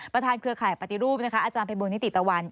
ประธานเครือข่ายปฏิรูปอาจารย์เป็นบรินิติตะวัน